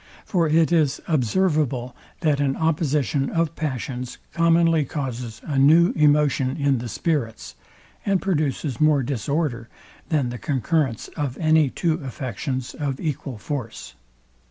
For it is observable that an opposition of passions commonly causes a new emotion in the spirits, and produces more disorder, than the concurrence of any two affections of equal force.